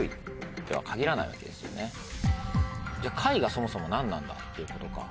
じゃ貝がそもそも何なんだっていうことか。